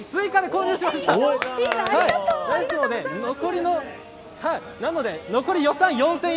ですので残り予算４０００円。